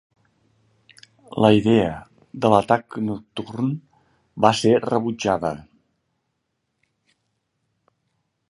La idea de l'atac nocturn va ser rebutjada.